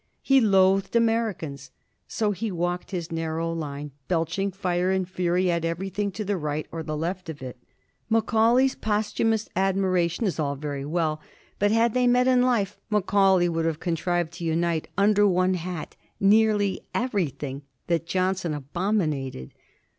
He loathed Americans. So he walked his narrow line, belching fire and fury at everything to the right or the left of it. Macaulay's posthumous admiration is all very well, but had they met in life Macaulay would have contrived to unite under one hat nearly everything that Johnson abominated.